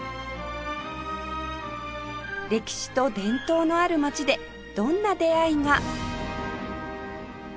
歴史と伝統のある町でどんな出会いが